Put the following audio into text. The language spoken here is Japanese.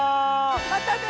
またね！